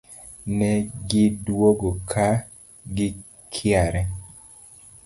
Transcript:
Ne gi duogo ka gikiare